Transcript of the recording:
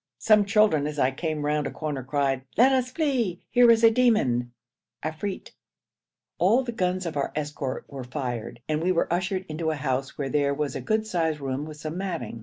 Some children, as I came round a corner, cried, 'Let us flee! here is a demon' (afrit). All the guns of our escort were fired, and we were ushered into a house, where there was a good sized room with some matting.